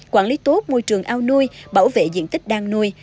quản lý tốt môi trường ao nuôi bảo vệ diện tích đang nuôi